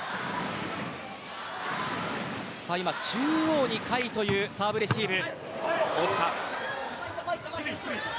今、中央に甲斐というサーブレシーブ。